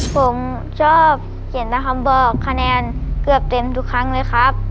ผมชอบเขียนแต่คำบอกคะแนนเกือบเต็มทุกครั้งเลยครับ